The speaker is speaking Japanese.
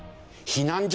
避難所。